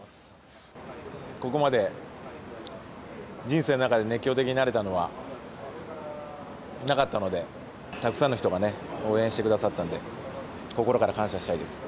ここまで、人生の中で熱狂的になれたのはなかったので、たくさんの人が応援してくださったので、心から感謝したいです。